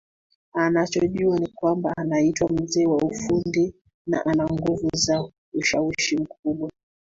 Anachojua ni kwamba anaitwa mzee wa ufundi na ana nguvu za ushawishi mkubwa